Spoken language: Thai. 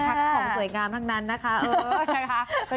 ของสวยงามทั้งนั้นนะคะ